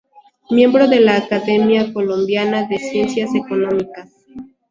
Miembro de la Academia Colombiana de Ciencias Económicas.